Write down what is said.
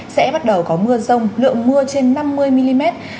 sẽ bắt đầu có mưa rông lượng mưa trên năm mươi mm